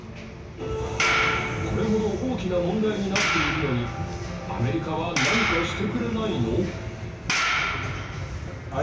これほど大きな問題になっているのにアメリカは何かしてくれないの？